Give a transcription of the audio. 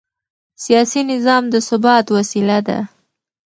سیاسي نظام د ثبات وسیله ده